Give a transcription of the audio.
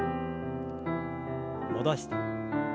戻して。